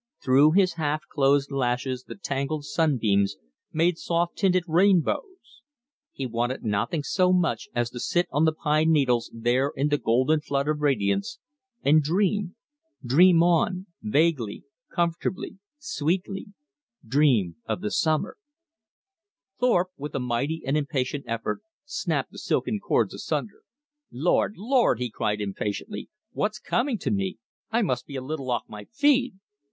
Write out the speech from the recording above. Through his half closed lashes the tangled sun beams made soft tinted rainbows. He wanted nothing so much as to sit on the pine needles there in the golden flood of radiance, and dream dream on vaguely, comfortably, sweetly dream of the summer Thorpe, with a mighty and impatient effort, snapped the silken cords asunder. "Lord, Lord!" he cried impatiently. "What's coming to me? I must be a little off my feed!"